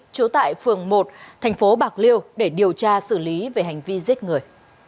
trú tại phường một thành phố bạc liêu để điều tra xử lý về hành vi giết người